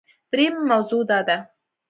دریمه موضوع دا ده